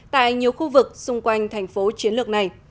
tại nhiều khu vực xung quanh thành phố chiến lược này